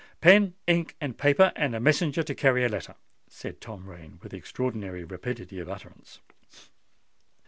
"Pen, ink, and paper, and a messenger to carry a letter," said Tom Rain, with extraordinary rapidity of utterance.